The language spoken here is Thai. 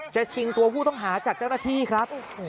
ชิงตัวผู้ต้องหาจากเจ้าหน้าที่ครับ